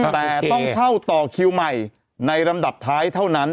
แต่ต้องเข้าต่อคิวใหม่ในลำดับท้ายเท่านั้น